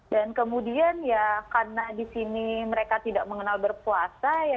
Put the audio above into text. dan kemudian ya karena di sini mereka tidak mengenal berpuasa